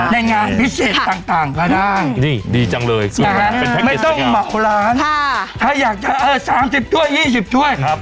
ในงานพิเศษต่างต่างก็ได้นี่ดีจังเลยไม่ต้องเหมาร้านถ้าอยากจะเอ่อสามสิบด้วยยี่สิบด้วยครับ